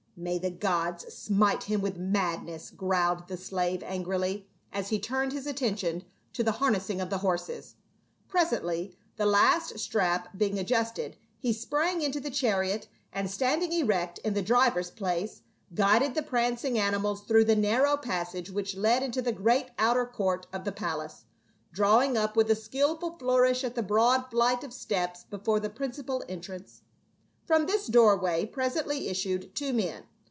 " May the gods smite him with madness !" growled the slave angrily, as he turned his attention to the har nessing of the horses. Presently, the last strap being adjusted, he sprang into the chariot and, standing erect in the driver's place, guided the prancing animals through the narrow passage which led into the great outer court of the palace, drawing up with a skilful flourish at the broad flight of steps before the principal entrance. From this doorway presently issued two men.